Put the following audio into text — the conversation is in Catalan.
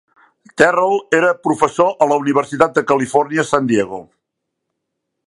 Terrell era professor a la Universitat de Califòrnia, San Diego.